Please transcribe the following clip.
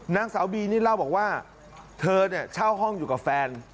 นางสาวบีนี่เล่าบอกว่าเธอเนี่ยเช่าห้องอยู่กับแฟน